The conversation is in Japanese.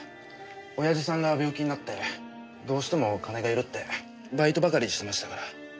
親父さんが病気になってどうしても金がいるってバイトばかりしてましたから。